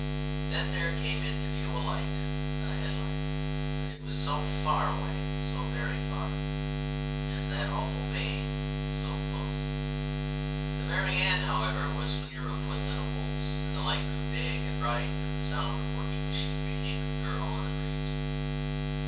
Then there came into view a light a headlight; but it was so far away, so very far, and that awful baying so close! The "Mary Ann," however, was fleeter of foot than the wolves; the light grew big and bright and the sound of working machinery came to the girl on the breeze.